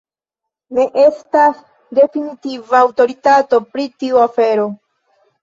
Ne estas definitiva aŭtoritato pri tiu afero.